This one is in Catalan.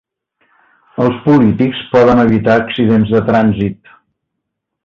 Els polítics poden evitar accidents de trànsit